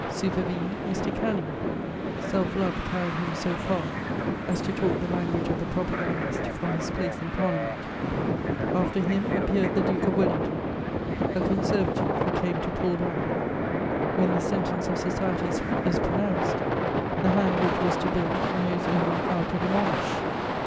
Supervened Mr. Canning: self love carried him so far as to talk the language of the propagandist from his place in Parliament After him appeared the Duke of Wellington, a Conservative who came to pull down: when the sentence of societies is pronounced, the hand which was to build knows only how to demolish.